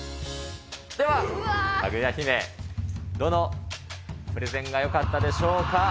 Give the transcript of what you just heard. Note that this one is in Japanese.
では、かぐや姫、どのプレゼンがよかったでしょうか。